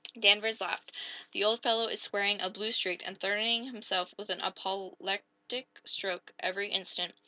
Danvers laughed. "The old fellow is swearing a blue streak, and threatening himself with an apoplectic stroke every instant."